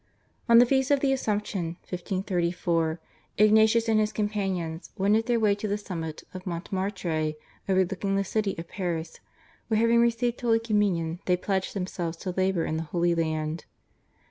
On the feast of the Assumption (1534) Ignatius and his companions wended their way to the summit of Montmartre overlooking the city of Paris, where having received Holy Communion they pledged themselves to labour in the Holy Land.